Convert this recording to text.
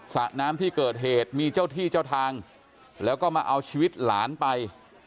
สระน้ำที่เกิดเหตุมีเจ้าที่เจ้าทางแล้วก็มาเอาชีวิตหลานไป